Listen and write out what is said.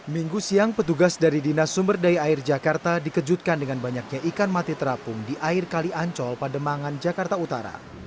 minggu siang petugas dari dinas sumber daya air jakarta dikejutkan dengan banyaknya ikan mati terapung di air kali ancol pademangan jakarta utara